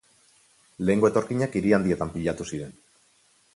Lehenengo etorkinak hiri handietan pilatu ziren.